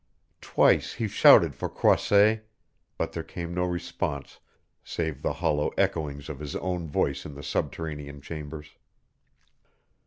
Twice he shouted for Croisset, but there came no response save the hollow echoings of his own voice in the subterranean chambers.